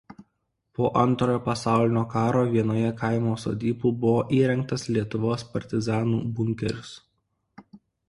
Po Antrojo pasaulinio karo vienoje kaimo sodybų buvo įrengtas Lietuvos partizanų bunkeris.